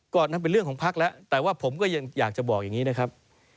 ก็นั่นเป็นเรื่องของพักแล้วแต่ว่าผมก็ยังอยากจะบอกอย่างนี้นะครับ